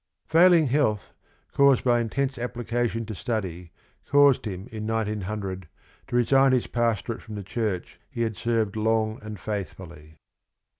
Failing health caused by intense application to study caused him in 1900 to resign his pastorate from the church he had served long and faithfully.